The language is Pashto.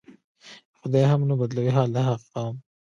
"خدای هم نه بدلوي حال د هغه قوم".